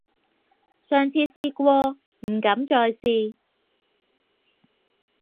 上次試過，唔敢再試